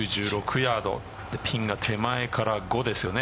ヤードピンが手前から５ですよね